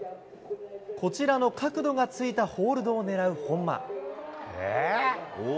こちらの角度がついたホールドを狙う本間。